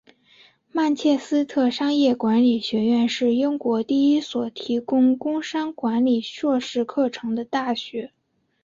曼彻斯特商业管理学院是英国第一所提供工商管理硕士课程的大学。